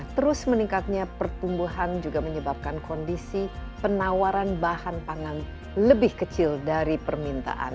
terus meningkatnya pertumbuhan juga menyebabkan kondisi penawaran bahan pangan lebih kecil dari permintaan